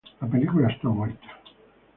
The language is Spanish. La película está muerta.